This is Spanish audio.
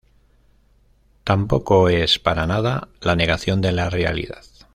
Tampoco es para nada la negación de la realidad.